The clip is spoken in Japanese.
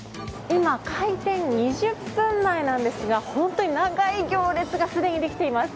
今、開店２０分前なんですが本当に長い行列がすでにできています。